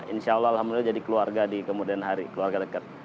insya allah alhamdulillah jadi keluarga di kemudian hari keluarga dekat